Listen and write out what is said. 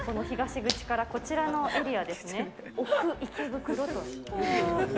東口からこちらのエリアですね。